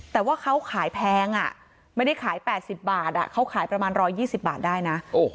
แต่ว่าเขาขายแพงไม่ได้ขาย๘๐บาทเขาขายประมาณ๑๒๐บาทได้นะ